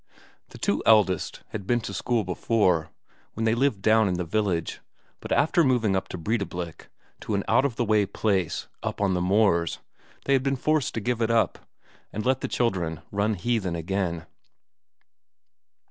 The two eldest had been to school before, when they lived down in the village, but after moving up to Breidablik, to an out of the way place up on the moors, they had been forced to give it up, and let the children run heathen again.